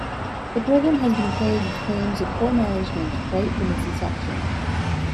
The program has been plagued with claims of poor management right from its inception.